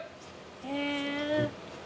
へえ。